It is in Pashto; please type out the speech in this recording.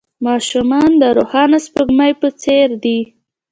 ماشومان د روښانه سپوږمۍ په څېر دي.